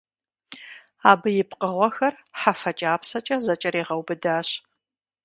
Абы и пкъыгъуэхэр хьэфэ кIапсэкIэ зэкIэрегъэубыдащ.